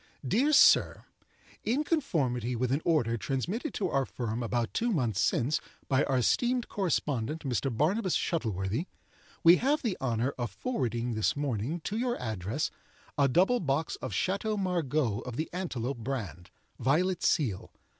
"Dear Sir—In conformity with an order transmitted to our firm about two months since, by our esteemed correspondent, Mr. Barnabus Shuttleworthy, we have the honor of forwarding this morning, to your address, a double box of Chateau Margaux of the antelope brand, violet seal.